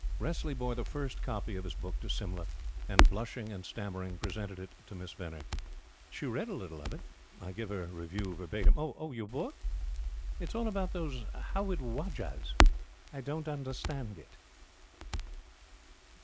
Wressley bore the first copy of his book to Simla and, blushing and stammering, presented it to Miss Venner. She read a little of it. I give her review verbatim: "Oh, your book? It's all about those how wid Wajahs. I didn't understand it."